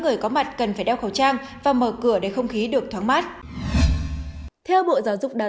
người có mặt cần phải đeo khẩu trang và mở cửa để không khí được thoáng mát theo bộ giáo dục đào